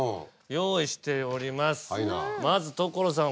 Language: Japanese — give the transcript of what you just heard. まず所さん